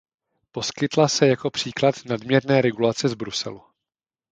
Poskytla se jako příklad nadměrné regulace z Bruselu.